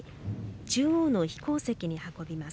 中央の披講席に運びます。